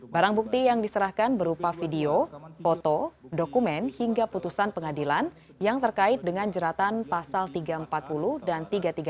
barang bukti yang diserahkan berupa video foto dokumen hingga putusan pengadilan yang terkait dengan jeratan pasal tiga ratus empat puluh dan tiga ratus tiga puluh